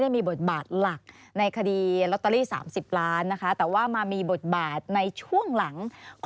ที่ผมแตกง่ายก็ไม่ตกใจง่ายอะไรก็ที่ผมแตกง่ายได้ง่าย